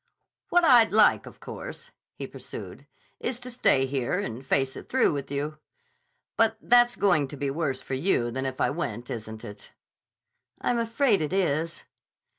"What I'd like, of course," he pursued, "is to stay here and face it through with you. But that's going to be worse for you than if I went, isn't it?" "I'm afraid it is."